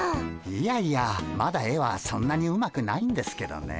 いやいやまだ絵はそんなにうまくないんですけどね。